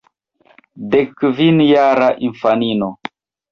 Dek kvin jara infanino!